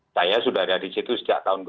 saya sudah ada di situ sejak tahun dua ribu